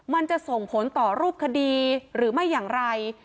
มันจะส่งผลต่อรูปคดีหรือไม่อย่างไร